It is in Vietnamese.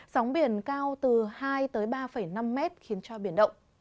sóng biển cao từ hai tới ba năm mét khiến cho biển động